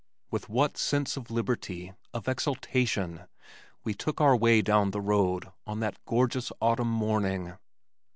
With what sense of liberty, of exultation, we took our way down the road on that gorgeous autumn morning!